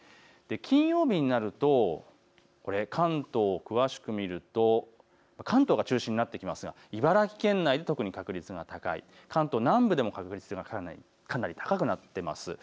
金曜日になると関東、詳しく見ると関東が中心になってきますが茨城県内で特に確率が高い、関東南部でも確率というのはかなり高くなっています。